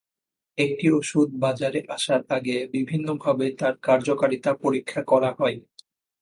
একটি ওষুধ বাজারে আসার আগে বিভিন্নভাবে তার কার্যকারিতা পরীক্ষা করা হয়।